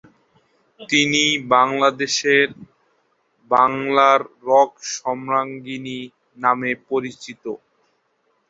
তিনি বাংলাদেশের "বাংলার রক সম্রাজ্ঞী" নামেও পরিচিত।